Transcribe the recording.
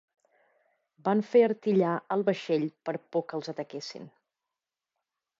Van fer artillar el vaixell per por que els ataquessin.